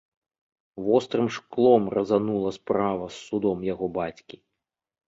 Вострым шклом разанула справа з судом яго бацькі.